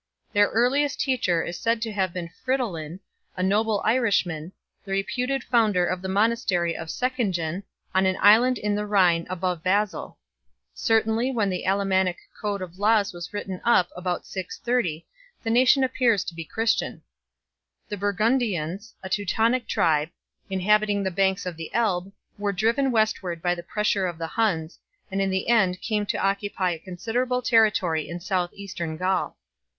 Their earliest teacher is said to have been Fridolin 1 , a noble Irishman, the reputed founder of the monastery of Seckingen, on an island in the Rhine above Basel. Certainly when the Allemannic code of laws was drawn up about 630 the nation appears to be Christian. The Burgundians, a Teutonic tribe, inhabiting the banks of the Elbe, were driven westward by the pressure of the Huns, and in the end came to occupy a considerable territory in south eastern Gaul.